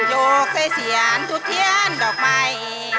ยกช่ายเสียงทุกเทียนดอกไม้